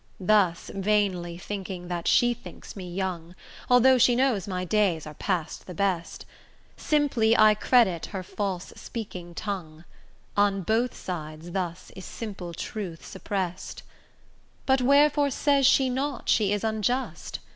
Thus vainly thinking that she thinks me young, Although she knows my days are past the best, Simply I credit her false speaking tongue: On both sides thus is simple truth suppressed: But wherefore says she not she is unjust?